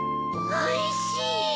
おいしい！